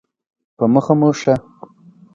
په مخه مو ښه.